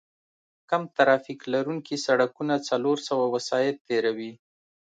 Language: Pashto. کم ترافیک لرونکي سړکونه څلور سوه وسایط تېروي